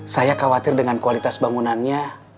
saya khawatir dengan kualitas bangunannya